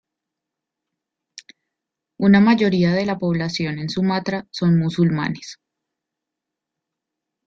Una mayoría de la población en Sumatra son musulmanes.